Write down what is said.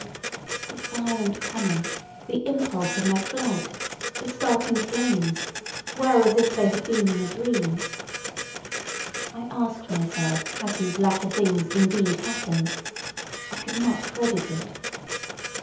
The silent common, the impulse of my flight, the starting flames, were as if they had been in a dream. I asked myself had these latter things indeed happened? I could not credit it.